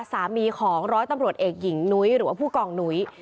สามีของร้อยตำรวจเอกหญิงนุ้ยหรือว่าผู้กองนุ้ย